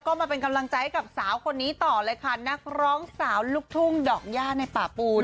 ก็มาเป็นกำลังใจให้กับสาวคนนี้ต่อเลยค่ะนักร้องสาวลูกทุ่งดอกย่าในป่าปูน